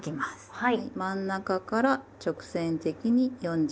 はい。